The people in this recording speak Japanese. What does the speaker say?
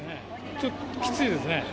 ちょっときついですね。